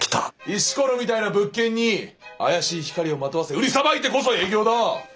石ころみたいな物件に怪しい光をまとわせ売りさばいてこそ営業だ！